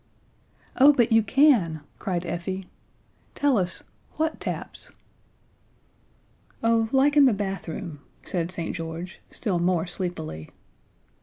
"Oh, but you can," cried Effie. "Tell us what taps?" "Oh, like in the bathroom," said St. George, still more sleepily.